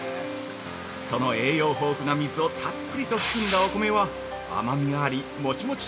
その栄養豊富な水をたっぷりと含んだお米は甘みがありもちもち